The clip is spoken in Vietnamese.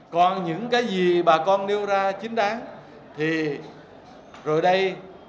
còn những cái gì bà con nêu ra chính đáng thì rồi đây